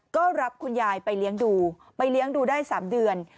ก็รับคุณยายไปเลี้ยงดูไปเลี้ยงดูได้๓เดือน